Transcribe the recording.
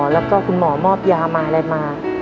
แล้วก็คุณหมอมอบยามาอะไรมา